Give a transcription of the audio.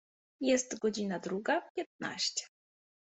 Jest godzina druga piętnaście.